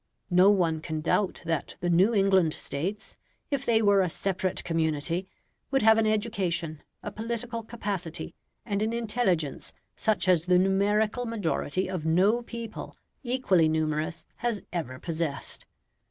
No one can doubt that the New England States, if they were a separate community, would have an education, a political capacity, and an intelligence such as the numerical majority of no people, equally numerous, has ever possessed.